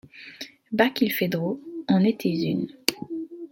Barkilphedro en était une.